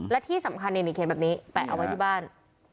และที่สำคัญในเหนือเคล็ดแบบนี้แปะเอาไว้ที่บ้าน